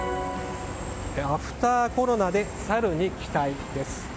アフターコロナでサルに期待です。